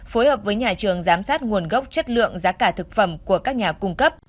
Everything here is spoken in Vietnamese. phối hợp với nhà trường giám sát nguồn gốc chất lượng giá cả thực phẩm của các nhà cung cấp